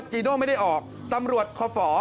จีโน่ไม่ได้ออกตำรวจคอฝ